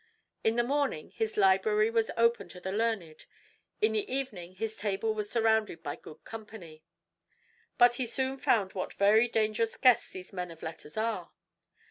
In the morning his library was open to the learned. In the evening his table was surrounded by good company. But he soon found what very dangerous guests these men of letters are.